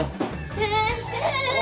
先生！